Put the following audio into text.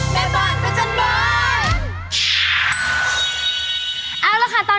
แม่บ้านพระจันทร์บ้าน